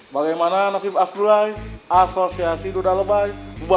bagaimana nasib asli asosiasi udah lebay